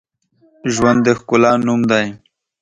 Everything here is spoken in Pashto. ژوند د ښکلا نوم دی